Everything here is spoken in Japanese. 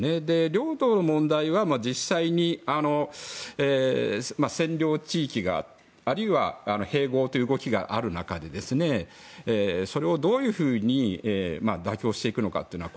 領土の問題は実際、占領地域があるいは併合という動きがある中それをどういうふうに妥協していくのかということ